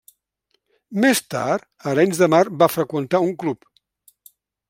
Més tard, a Arenys de Mar va freqüentar un club.